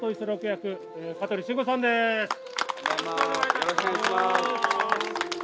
よろしくお願いします。